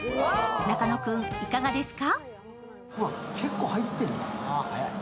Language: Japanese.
中野君、いかがですか。